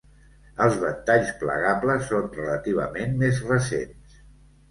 Els ventalls plegables són relativament més recents.